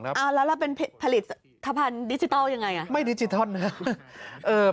แล้วเราเป็นผลิตภัณฑ์ดิจิทัลยังไงอ่ะไม่ดิจิทัลนะครับ